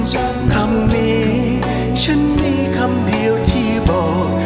จากคำนี้ฉันมีคำเดียวที่บอก